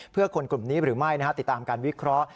เพื่อคนกลุ่มนี้หรือไม่ติดตามการวิเคราะห์